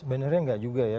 sebenarnya nggak juga ya